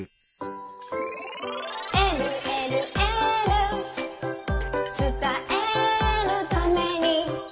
「えるえるエール」「つたえるために」